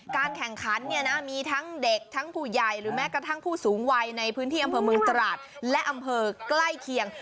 การแข่งขันมีทั้งเด็กทั้งผู้ใหญ่หรือแม้กระทั่งผู้สูงวัยในพื้นที่อำเภอเมืองตราศนายศักดาศิริและอำเภอกล้ายเคียง